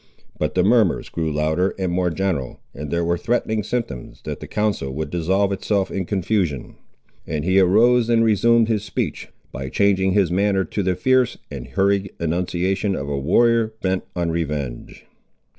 But the murmurs grew louder and more general, and there were threatening symptoms that the council would dissolve itself in confusion; and he arose and resumed his speech, by changing his manner to the fierce and hurried enunciation of a warrior bent on revenge.